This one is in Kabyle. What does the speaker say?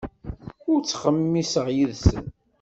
Ur ttxemmiseɣ yid-sen.